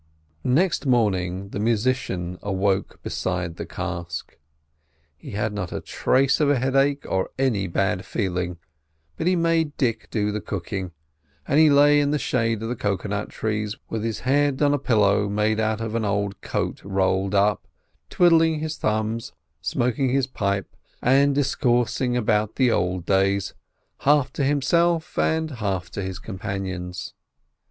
Next morning the musician awoke beside the cask. He had not a trace of a headache, or any bad feeling, but he made Dick do the cooking; and he lay in the shade of the cocoa nut trees, with his head on a "pilla" made out of an old coat rolled up, twiddling his thumbs, smoking his pipe, and discoursing about the "ould" days, half to himself and half to his companions.